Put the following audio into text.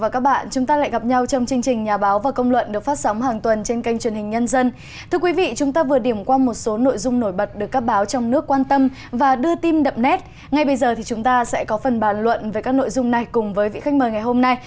các bạn hãy đăng ký kênh để ủng hộ kênh của chúng mình nhé